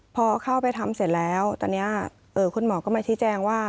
พอเข้าไปทำเสร็จแล้วตอนนี้คุณหมอก็มาชี้แจงว่า